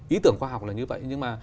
ý tưởng khoa học là như vậy nhưng mà